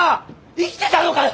生きてたのかよ！